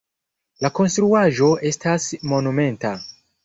La konstruaĵo estas monumenta.